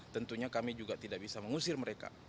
tentunya kami juga tidak bisa mengusir mereka